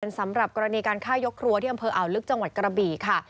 สำหรับกรณีการฆ่ายกครัวที่อำเภออ่าวลึกจังหวัดกระบี่ค่ะ